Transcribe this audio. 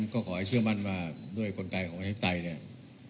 ก็ก่อให้เชื่อมั่นมาด้วยคนไกลของประชายใต้เนี่ย